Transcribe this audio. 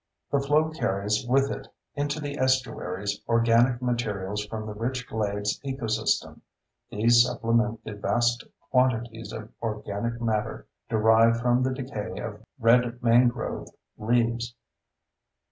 The flow carries with it into the estuaries organic materials from the rich glades ecosystem; these supplement the vast quantities of organic matter derived from the decay of red mangrove leaves.